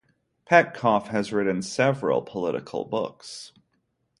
Petkoff has written several political books.